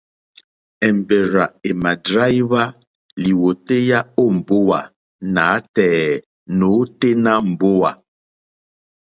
Èmbèrzà èmà dráíhwá lìwòtéyá ó mbówà nǎtɛ̀ɛ̀ nǒténá mbówà.